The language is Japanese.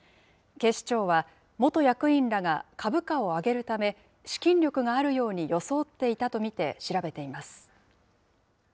警視庁は、元役員らが株価を上げるため、資金力があるように装っていたと見て、調べています。